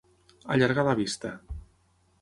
Allargar la vista.